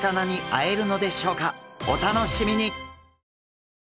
お楽しみに！